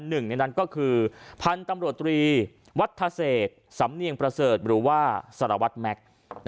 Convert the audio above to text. หนึ่งในนั้นก็คือพันธุ์ตำรวจตรีวัฒเศษสำเนียงประเสริฐหรือว่าสารวัตรแม็กซ์